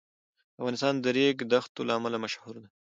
افغانستان د ریګ دښتو له امله مشهور دی.